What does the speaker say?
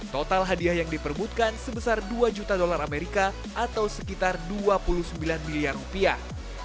total hadiah yang diperbutkan sebesar dua juta dolar amerika atau sekitar dua puluh sembilan miliar rupiah